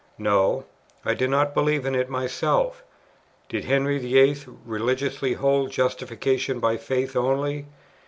No, I did not believe in it myself. Did Henry VIII. religiously hold Justification by faith only?